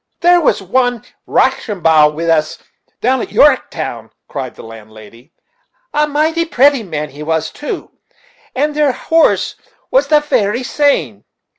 "There was one Roshambow wid us down at Yorrektown," cried the landlady "a mighty pratty man he was too; and their horse was the very same.